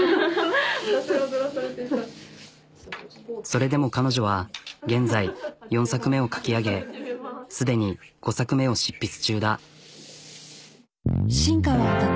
それでも彼女は現在４作目を書き上げすでに５作目を執筆中だ。